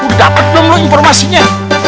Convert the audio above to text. udah dapet belum lo informasinya